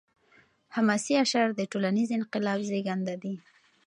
حماسي اشعار د ټولنیز انقلاب زیږنده دي.